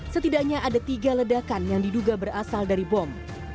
setidaknya ada tiga ledakan yang diduga berasal dari bom